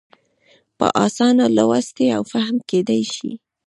په اسانه لوستی او فهم کېدای شي.